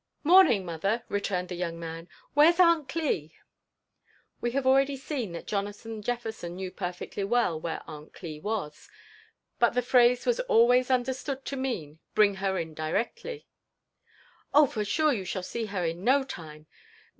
"Morning, mother/' returned the young man. ''Where's Aunt Cli r We have already seen that Jonathan Jeflerson knew perfectly well where Aunt Cli was; but the phrase was always understood to mean, '* bring her in directly." " Oh I for sure you shall see her in no time.